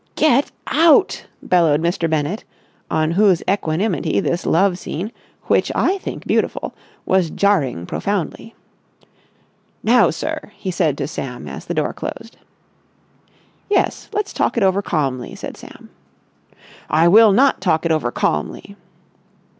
"Get out!" bellowed Mr. Bennett, on whose equanimity this love scene, which I think beautiful, was jarring profoundly. "Now, sir!" he said to Sam, as the door closed. "Yes, let's talk it over calmly," said Sam. "I will not talk it over calmly!"